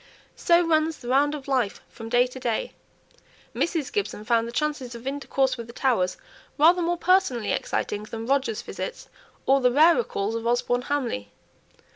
So runs the round of life from day to day. Mrs. Gibson found the chances of intercourse with the Towers rather more personally exciting than Roger's visits, or the rarer calls of Osborne Hamley.